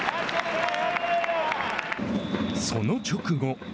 その直後。